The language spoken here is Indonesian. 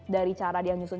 di jualan di jualan